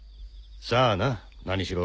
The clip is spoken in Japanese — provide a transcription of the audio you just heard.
さあな何しろ